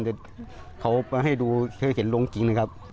แต่เขาไปให้ดูเคยเห็นลงจริงนะครับ